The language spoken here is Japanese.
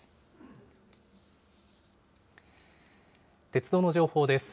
鉄道の情報です。